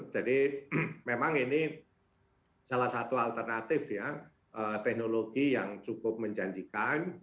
jadi memang ini lagi sla satu alternatif untuk teknologcs yang cukup menjanjikan